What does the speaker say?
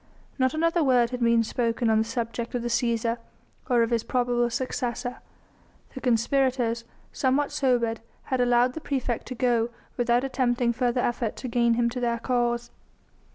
Not another word had been spoken on the subject of the Cæsar or of his probable successor. The conspirators, somewhat sobered, had allowed the praefect to go without attempting further effort to gain him to their cause.